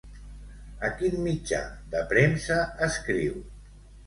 A quin mitjà de premsa escriu?